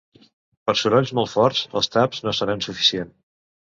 Per sorolls molt forts, els taps no seran suficient.